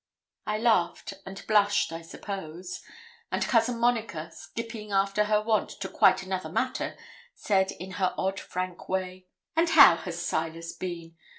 I laughed and blushed, I suppose; and Cousin Monica, skipping after her wont to quite another matter, said in her odd frank way 'And how has Silas been?